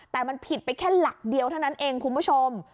แต่มันผิดไปแค่หลักเดียวเท่านั้นเองคุณผู้ชม